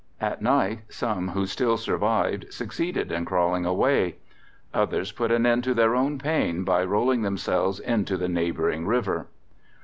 At night some who still survived succeeded in crawling away. Others put an end to their own pain by rolling themselves into the neighboring river.